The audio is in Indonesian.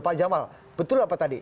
pak jamal betul apa tadi